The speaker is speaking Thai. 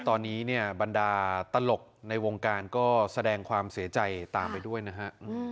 ตอนนี้เนี่ยบรรดาตลกในวงการก็แสดงความเสียใจตามไปด้วยนะฮะ